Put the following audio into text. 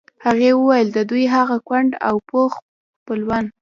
هغې وویل د دوی هغه کونډ او پوخ خپلوان.